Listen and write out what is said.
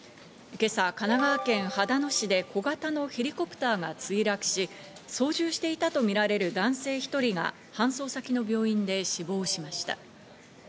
今朝、神奈川県秦野市で小型のヘリコプターが墜落し、操縦していたとみられる男性１人が搬送先の病院で死亡しました。